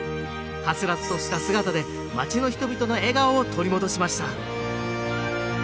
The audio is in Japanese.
はつらつとした姿で町の人々の笑顔を取り戻しました